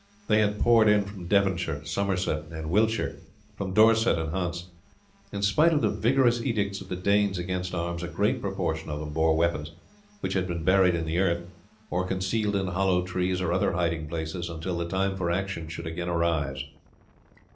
They had poured in from Devonshire, Somerset, and Wiltshire, from Dorset and Hants. In spite of the vigorous edicts of the Danes against arms a great proportion of them bore weapons, which had been buried in the earth, or concealed in hollow trees or other hiding places until the time for action should again arrive.